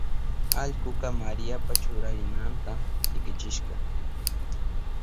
Allkuka Mariapa churarinanta likichishka.